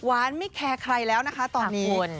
ไม่แคร์ใครแล้วนะคะตอนนี้